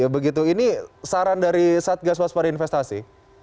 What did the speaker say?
begitu ini saran dari satgas waspada investasi